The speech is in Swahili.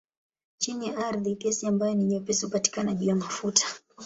Chini ya ardhi gesi ambayo ni nyepesi hupatikana juu ya mafuta.